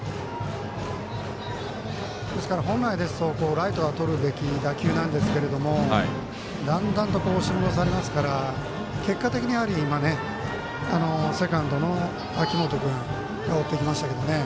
ですから、本来ですとライトが取るべき打球なんですけれどもだんだんと、押し戻されますから結果的にやはりセカンドの秋元君が追っていきましたけどね